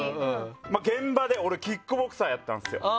現場で俺、キックボクサーやってたんですよ。